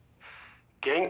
「元気？」